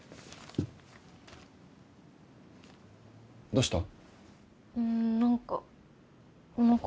どうした？